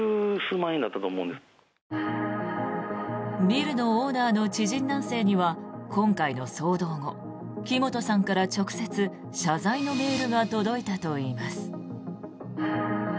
ビルのオーナーの知人男性には今回の騒動後、木本さんから直接謝罪のメールが届いたといいます。